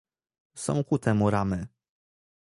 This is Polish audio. Są ku temu ramy